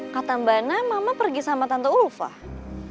katamana mama pergi warang lanai